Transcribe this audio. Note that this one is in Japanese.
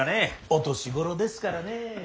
お年頃ですからね。